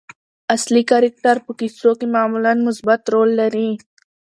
اصلي کرکټر په کیسو کښي معمولآ مثبت رول لري.